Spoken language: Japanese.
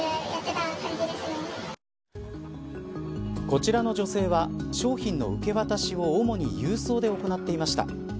こちらの女性は商品の受け渡しを主に郵送で行っていました。